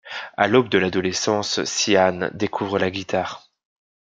À l'aube de l'adolescence, siiAn découvre la guitare.